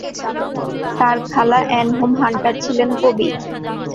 তার খালা Anne Home Hunter ছিলেন কবি।